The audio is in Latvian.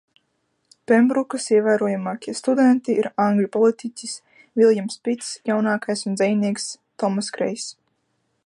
Pembrukas ievērojamākie studenti ir angļu politiķis Viljams Pits Jaunākais un dzejnieks Tomass Grejs.